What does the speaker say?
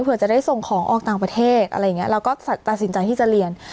เผื่อจะได้ส่งของออกต่างประเทศอะไรอย่างนี้เราก็ตัดสินใจที่จะเรียน